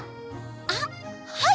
あっはい！